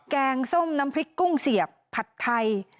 แกงส้มน้ำพริกกุ้งเสียบผัดไทย